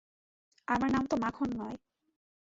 আমার নাম তো মাখন নয়।